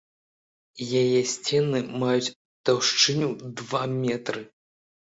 Яе сцены маюць таўшчыню два метры.